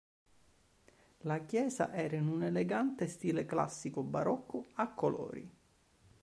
La chiesa era in un elegante stile classico barocco a colori.